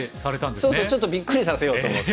そうそうちょっとびっくりさせようと思って。